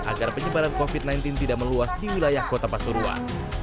agar penyebaran covid sembilan belas tidak meluas di wilayah kota pasuruan